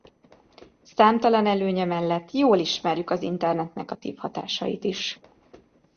Számtalan előnye mellett jól ismerjük az internet negatív hatásait is.